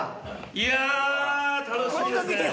いや楽しみですね。